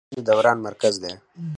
زړه د وینې دوران مرکز دی.